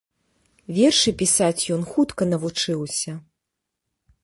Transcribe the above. Вершы пісаць ён хутка навучыўся.